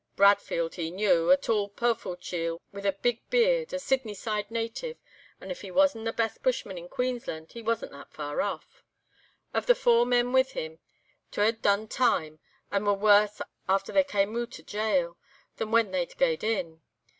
Bradfield he knew—a tall powerfu' chiel, with a big beard, a Sydney side native, and if he wasna the best bushman in Queensland, he wasna that far aff. Of the four men with him, twa had 'done time,' and were worse after they cam' oot o' gaol, than when they gaed in.